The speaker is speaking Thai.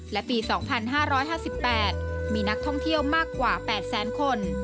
และปี๒๕๕๘มีนักท่องเที่ยวมากกว่า๘แสนคน